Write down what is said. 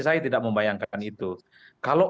saya tidak membayangkan itu kalau